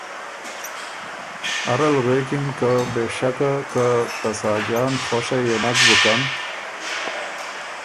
اره ل غوېکِن که ”بې شکه که ته ساجان خؤشه يې نک بُکن